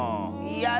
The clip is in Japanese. やだ！